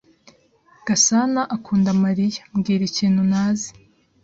"Gasanaakunda Mariya." "Mbwira ikintu ntazi."